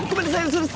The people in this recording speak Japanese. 嘘です。